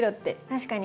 確かに。